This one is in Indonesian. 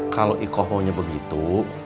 kalau iko maunya begitu